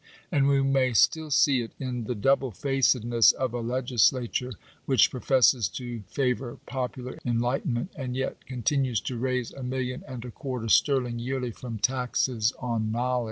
And we may still see it in the double facedness of a legislature which professes to favour popular enlightenment, and yet con tinues to raise a million and a quarter sterling yearly from " taxes on knowledge."